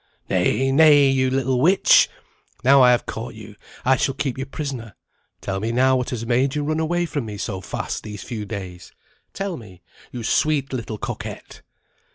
"Nay, nay! you little witch! Now I have caught you, I shall keep you prisoner. Tell me now what has made you run away from me so fast these few days tell me, you sweet little coquette!"